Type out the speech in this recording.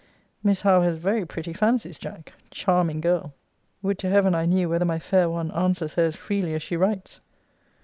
Miss Howe has very pretty fancies, Jack. Charming girl! Would to Heaven I knew whether my fair one answers her as freely as she writes!